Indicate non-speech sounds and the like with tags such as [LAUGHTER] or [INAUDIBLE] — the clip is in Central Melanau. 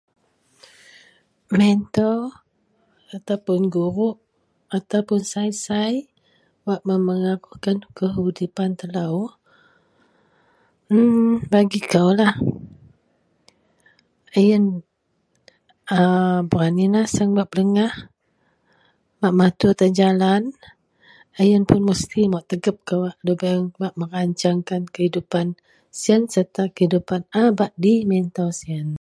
mentor ataupun guruk ataupun sai-sai wak.. [UNINTELLIGIBLE] udipan telou emmm bagi koulah, ien a berani nasang bak pedegah, bak megatur tan jalan, a ien pun mesti maok tagep kawak lubeng bak merancangkan kehidupan sien serta kehidupan a bak di mentor sien